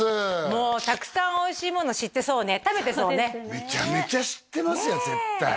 もうたくさんおいしいもの知ってそうね食べてそうねめちゃめちゃ知ってますよ絶対ねえ！